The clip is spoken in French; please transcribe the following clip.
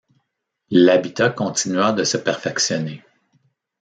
L'habitat continua de se perfectionner.